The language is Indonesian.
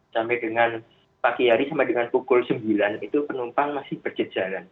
sampai dengan pagi hari sampai dengan pukul sembilan itu penumpang masih berjejaran